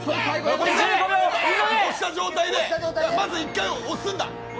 押した状態でまず１回押すんだ。